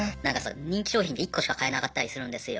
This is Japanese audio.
人気商品って１個しか買えなかったりするんですよ。